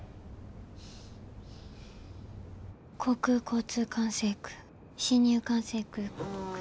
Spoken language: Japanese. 航空交通管制区進入管制区。